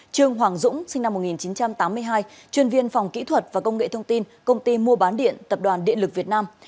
năm trương hoàng dũng sinh năm một nghìn chín trăm tám mươi hai chuyên viên phòng kỹ thuật và công nghệ thông tin công ty mua bán điện tập đoàn điện lực việt nam